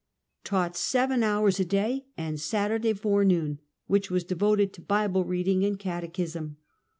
Taught seven hours a day, and Saturday forenoon, which was devoted to Bible reading and catechism.